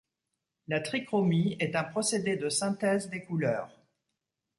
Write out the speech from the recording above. La trichromie est un procédé de synthèse des couleurs.